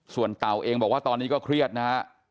ส่วนเต่าเองบอกว่าตอนนี้ก็เครียดนะฮะ